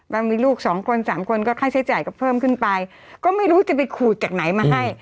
บางมีลูกสองคนสามคนก็ค่าใช้จ่ายก็เพิ่มขึ้นไปก็ไม่รู้จะไปขูดจากไหนมาให้